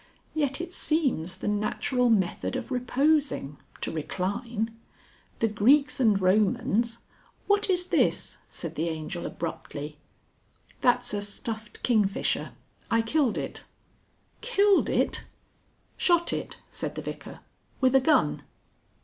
Yet it seems the natural method of reposing, to recline. The Greeks and Romans " "What is this?" said the Angel abruptly. "That's a stuffed kingfisher. I killed it." "Killed it!" "Shot it," said the Vicar, "with a gun."